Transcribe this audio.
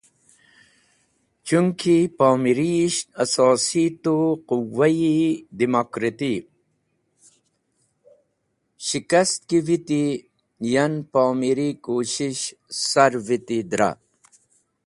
Chun ki Pomiriyish asosi tu quwa-e domokratti, shikast ki viti, yan Pomiri kushish sar viti dra.